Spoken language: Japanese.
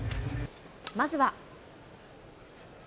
まずは。